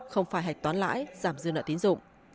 không phải hạch toán lãi giảm dư nợ tín dụng